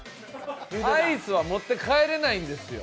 アイスは持って帰れないんですよ。